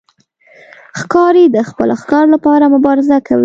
ښکاري د خپل ښکار لپاره مبارزه کوي.